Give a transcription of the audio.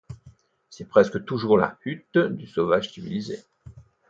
C’est presque toujours la hutte du Sauvage civilisé.